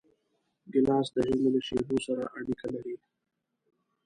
ګیلاس د ژمي له شېبو سره اړیکه لري.